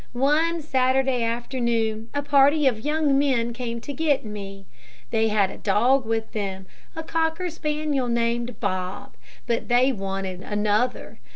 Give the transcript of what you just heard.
One Saturday afternoon a party of young men came to get me. They had a dog with them, a cocker spaniel called Bob, but they wanted another.